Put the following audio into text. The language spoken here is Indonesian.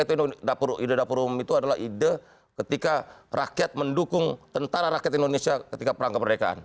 itu ide dapur umum itu adalah ide ketika rakyat mendukung tentara rakyat indonesia ketika perang kemerdekaan